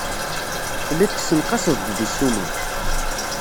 Telliḍ tessenqaseḍ-d deg ssuma.